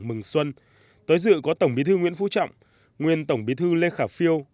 mừng xuân tới dự có tổng bí thư nguyễn phú trọng nguyên tổng bí thư lê khả phiêu